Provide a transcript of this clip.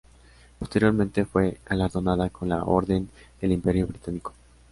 Posteriormente fue galardonada con la Orden del Imperio Británico.